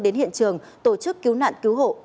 đến hiện trường tổ chức cứu nạn cứu hộ